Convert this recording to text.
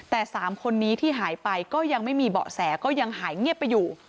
แต่๓คนนี้ที่หายไปก็ยังไม่มีเบาะแสก็ยังหายเงียบไปอยู่